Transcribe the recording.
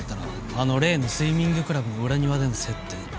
あの例のスイミングクラブの裏庭での接点